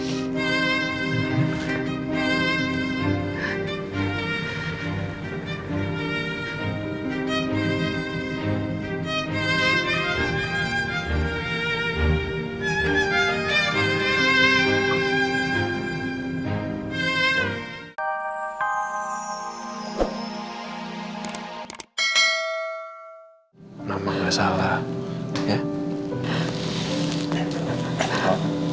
hai nama salah ya